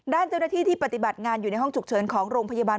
ด้านเจ้าหน้าที่ที่ปฏิบัติงานอยู่ในห้องฉุกเฉินของโรงพยาบาล